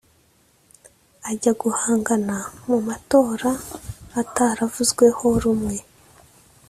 ajya guhangana mu matora ataravuzweho rumwe